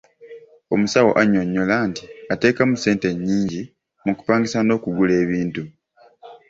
Omusawo annyonnyola nti ateekamu ssente nnyingi mu kupangisa n'okugula ebintu.